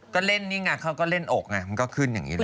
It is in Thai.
ก็เล่นนี่ไงเขาก็เล่นอกไงมันก็ขึ้นอย่างนี้ด้วย